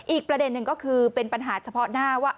อีกประเด็นหนึ่งก็คือเป็นปัญหาเฉพาะหน้าว่า